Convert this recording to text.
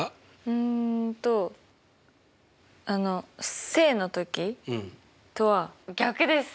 うんとあの正の時とは逆です。